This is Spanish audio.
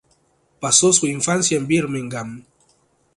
Pasó su infancia en Birmingham.